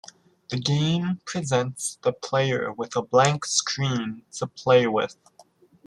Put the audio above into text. The game presents the player with a blank screen to play with.